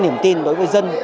đủ niềm tin đối với dân